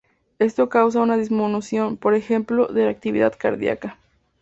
Esto causa una disminución, por ejemplo, de la actividad cardíaca.